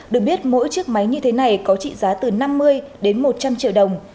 được biết mỗi chiếc máy như thế này có trị giá từ năm mươi đến một trăm linh triệu đồng